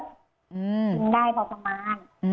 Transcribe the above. กินได้พอประมาณ